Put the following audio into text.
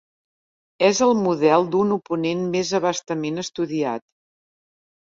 És el model d'un oponent més abastament estudiat.